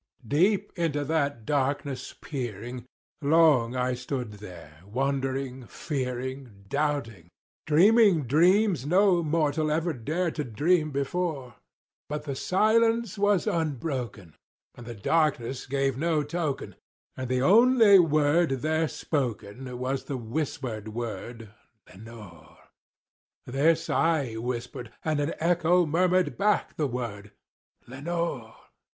Deep into that darkness peering, long I stood there wondering, fearing, Doubting, dreaming dreams no mortal ever dared to dream before; But the silence was unbroken, and the darkness gave no token, And the only word there spoken was the whispered word, "Lenore!" This I whispered, and an echo murmured back the word, "Lenore!"